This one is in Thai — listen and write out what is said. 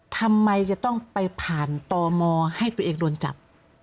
ทำไมจะต้องไปผ่านตมให้ตัวเองโดนจับ